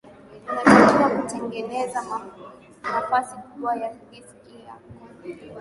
unatakiwa kutengeneza nafasi kubwa ya diski yako